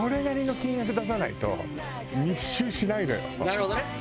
なるほどね。